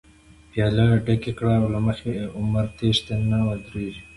پيالی ډکې کړه له مخی، عمر تښتی نه ودريږی